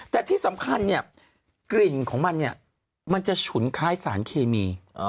แต่ที่สำคัญเนี่ยกลิ่นของมันเนี่ยมันจะฉุนคล้ายสารเคมี